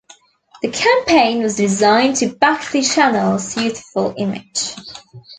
The campaign was designed to back the channel's youthful image.